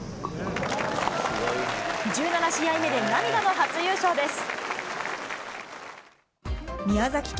１７試合目で涙の初優勝です。